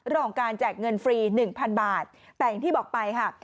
รองการแจกเงินฟรี๑๐๐๐บาทแต่อย่างที่บอกไปค่ะ